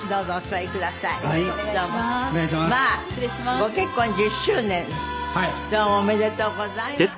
ご結婚１０周年どうもおめでとうございます。